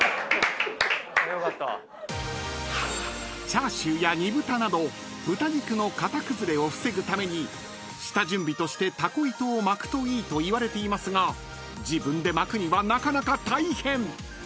［チャーシューや煮豚など豚肉の形崩れを防ぐために下準備としてたこ糸を巻くといいといわれていますが自分で巻くにはなかなか大変］